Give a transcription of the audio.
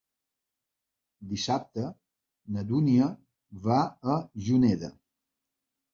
Dissabte na Dúnia va a Juneda.